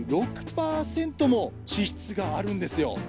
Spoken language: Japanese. ２６％も脂質があるんですよ。